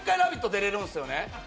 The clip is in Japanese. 出れるんですよね。